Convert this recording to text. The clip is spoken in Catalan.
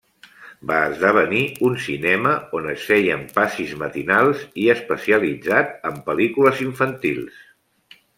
Va esdevenir un cinema on es feien passis matinals i especialitzat en pel·lícules infantils.